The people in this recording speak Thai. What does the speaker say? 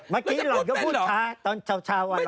เมื่อกี้หล่อนก็พูดค่าตอนเช้าว่าหล่อนเผลอ